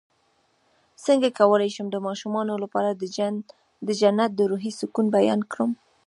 څنګه کولی شم د ماشومانو لپاره د جنت د روحي سکون بیان کړم